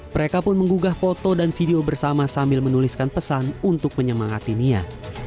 mereka pun menggugah foto dan video bersama sambil menuliskan pesan untuk menyemangati nia